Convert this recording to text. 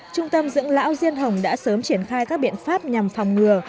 trung tâm dưỡng lão diên hồng đã sớm triển khai các biện pháp nhằm phòng ngừa